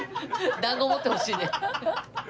団子持ってほしいね。